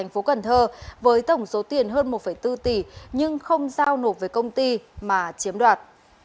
tp cần thơ với tổng số tiền hơn một bốn tỷ nhưng không giao nộp với công ty mà chiếm đoạt